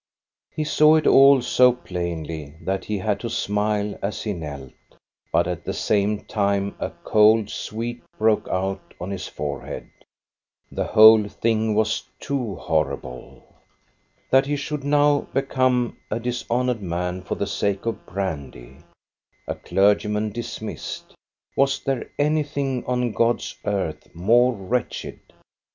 , He saw it all so plainly that he had to smile as he knelt, but at the same time a cold sweat broke out on his forehead. The whole thing was too horrible. That he should now become a dishonored man for INTRODUCTION 5 the sake of brandy. A clergyman, dismissed ! Was there anything on God's earth more wretched